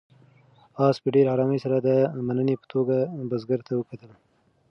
آس په ډېرې آرامۍ سره د مننې په توګه بزګر ته وکتل.